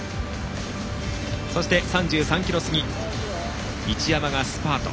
そして３３ｋｍ過ぎ一山がスパート。